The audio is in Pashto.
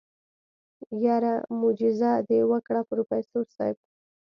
يره موجيزه دې وکړه پروفيسر صيب.